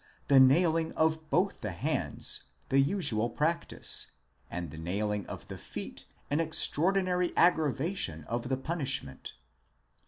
the nailing of both the hands, the usual practice, and the nailing of the feet an extraordinary aggravation of the punishment?